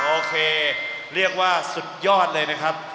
โอเคเรียกว่าสุดยอดเลยนะครับ